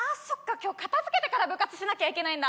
今日片付けてから部活しなきゃいけないんだ。